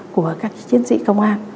của các chiến sĩ công an